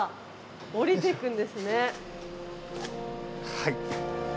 はい。